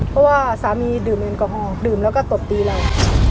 เพราะว่าสามีดื่มแอลกอฮอล์ดื่มแล้วก็ตบตีเรา